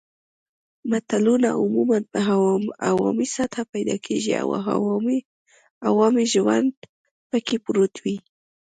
متلونه عموماً په عوامي سطحه پیدا کېږي او عوامي ژوند پکې پروت وي